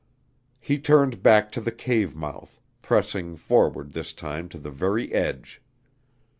He turned back to the cave mouth, pressing forward this time to the very edge.